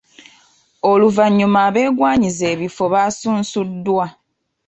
Oluvannyuma abeegwanyiza ebifo baasunsuddwa